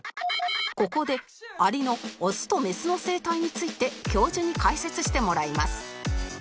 ここでアリのオスとメスの生態について教授に解説してもらいます